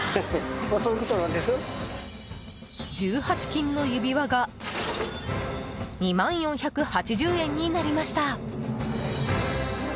１８金の指輪が２万４８０円になりました。